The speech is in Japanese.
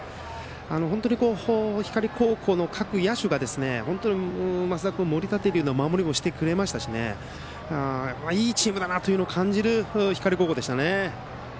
本当に光高校の各野手が本当に升田君を盛り立てるような守りもしてくれましたしいいチームだなというのを感じる光高校でしたね。